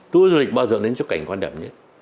tua du lịch bao rộng đến chỗ cảnh quan đậm nhất